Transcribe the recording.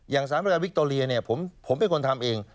อย่างสถานบริการวิกตอเลียผมเป็นคนทำเอง